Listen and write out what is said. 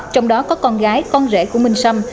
trong đó có con gái con rể của minh sâm